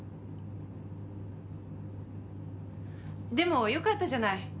でも良かったじゃない。